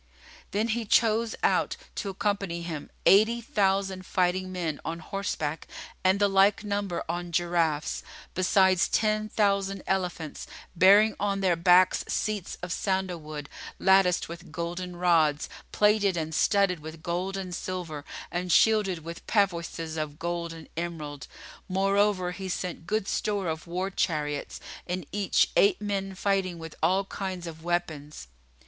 Then he chose out to accompany him eighty thousand fighting men on horseback and the like number on giraffes,[FN#47] besides ten thousand elephants, bearing on their backs seats[FN#48] of sandal wood, latticed with golden rods, plated and studded with gold and silver and shielded with pavoises of gold and emerald; moreover he sent good store of war chariots, in each eight men fighting with all kinds of weapons.